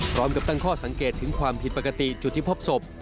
พร้อมกับตั้งข้อสังเกตถึงความผิดปกติจุดที่พบศพ